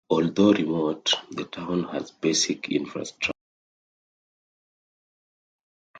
Although remote, the town has basic infrastructure.